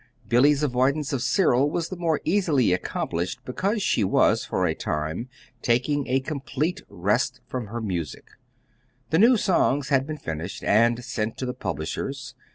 Billy's avoidance of Cyril was the more easily accomplished because she was for a time taking a complete rest from her music. The new songs had been finished and sent to the publishers.